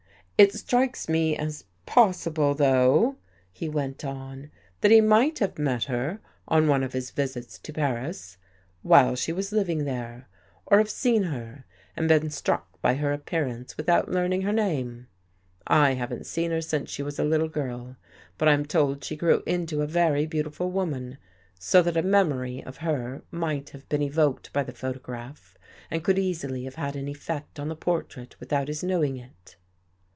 " It strikes me as possible, though," he went on, " that he might have met her on one of his visits to Paris, while she was living there, or have seen her and been struck by her appearance without learning her name. I haven't seen her since she was a little girl, but I am told she grew into a very beautiful woman. So that a memory of her might have been evoked by the photograph and could easily have had an effect on the portrait without his knowing it."